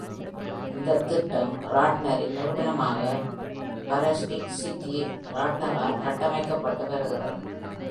இந்தத் திட்டம் ராட்னரின் நிறுவனமாக ஃபாரஸ்ட் சிட்டி ராட்னரால் கட்டமைக்கப்பட்டு வருகிறது.